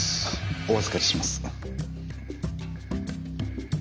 お預かりします。